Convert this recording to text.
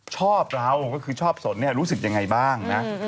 ชอบเราก็คือชอบสนเนี่ยรู้สึกยังไงบ้างนะ